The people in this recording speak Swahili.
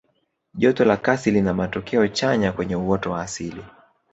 joto la kasi lina matokeo chanya kwenye uoto wa asili